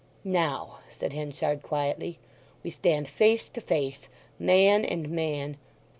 "Now," said Henchard quietly, "we stand face to face—man and man.